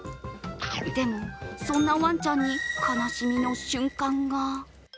でも、そんなワンちゃんに悲しみの瞬間が。